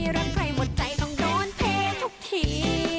รักใครหมดใจต้องโดนเททุกที